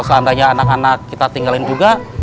tidak ada masalah juga